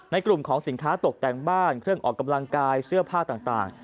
กลุ่มของสินค้าตกแต่งบ้านเครื่องออกกำลังกายเสื้อผ้าต่าง